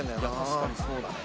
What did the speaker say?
確かにそうだね。